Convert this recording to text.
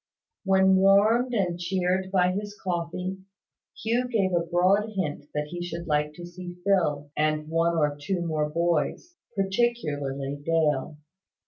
When warmed and cheered by his coffee, Hugh gave a broad hint that he should like to see Phil, and one or two more boys particularly Dale.